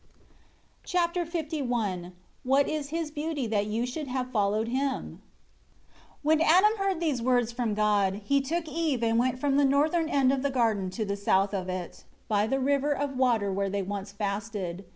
Chapter LI "What is his beauty that you should have followed him?" 1 When Adam heard these words from God, he took Eve and went from the northern end of the garden to the south of it, by the river of water where they once fasted.